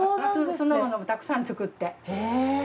酢の物もたくさん作って。